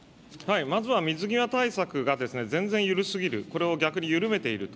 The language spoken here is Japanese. まずは水際対策が全然緩すぎる、これを逆に緩めていると。